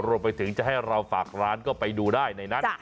รวมไปถึงจะให้เราฝากร้านก็ไปดูได้ในนั้น